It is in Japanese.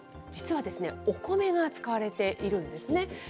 実はお米が使われているんですね。